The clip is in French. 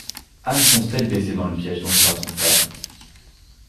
Anne fonce tête baissée dans le piège tendu par son frère.